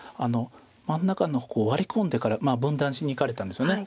真ん中のワリ込んでから分断しにいかれたんですよね。